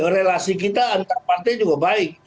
relasi kita antar partai juga baik